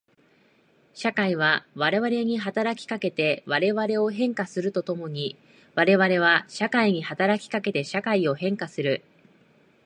社会は我々に働きかけて我々を変化すると共に我々は社会に働きかけて社会を変化する。